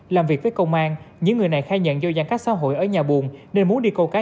làm việc với công an những người này khai nhận do giãn cách xã hội ở nhà buồn nên muốn đi câu cá